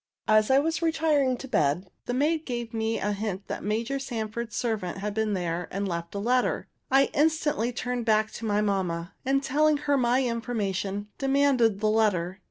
As I was retiring to bed, the maid gave me a hint that Major Sanford's servant had been here and left a letter. I turned instantly back to my mamma, and, telling her my information, demanded the letter.